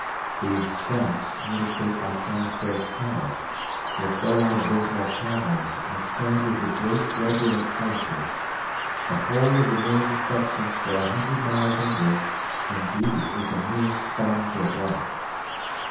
These shafts communicate by transverse tunnels, they throw out abysmal caverns and expand into great globular places; the whole of the moon's substance for a hundred miles inward, indeed, is a mere sponge of rock.